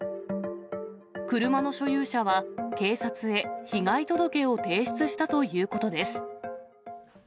車の所有者は警察へ被害届を提出したということです。